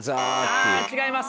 あ違います。